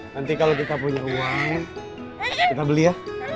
nanti kalau kita punya uang kita beli ya